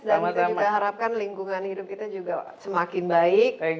kita juga harapkan lingkungan hidup kita juga semakin baik